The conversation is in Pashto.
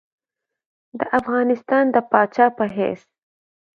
د افغانستان د پاچا په حیث.